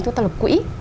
chúng ta lập quỹ